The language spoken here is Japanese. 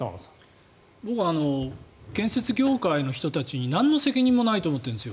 僕、建設業界の人たちになんの責任もないと思ってるんです。